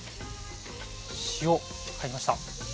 塩入りました。